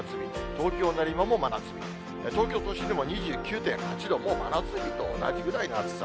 東京・練馬も真夏日、東京都心でも２９．８度、もう真夏日と同じぐらいの暑さ。